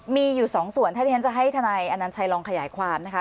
มีอยู่สองส่วนถ้าที่ฉันจะให้ทนายอนัญชัยลองขยายความนะคะ